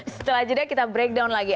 setelah jeda kita breakdown lagi